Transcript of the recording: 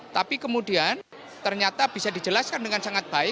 tapi kemudian ternyata bisa dijelaskan dengan sangat baik